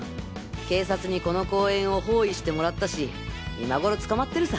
警察にこの公園を包囲してもらったし今頃捕まってるさ。